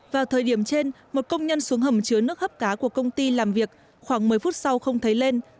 vào thời điểm trên một công nhân xuống hầm chứa nước hấp cá của công ty làm việc khoảng một mươi phút sau không thấy lên